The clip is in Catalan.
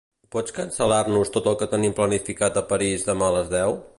Pots cancel·lar-nos tot el que tenim planificat a París demà a les deu?